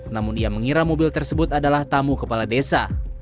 namun ia mengira mobil tersebut adalah tamu kepala desa